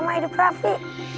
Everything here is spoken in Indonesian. selama hidup raffi